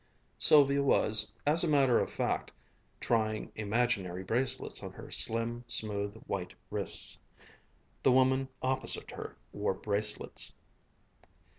Sylvia was, as a matter of fact, trying imaginary bracelets on her slim, smooth, white wrists. The woman opposite her wore bracelets.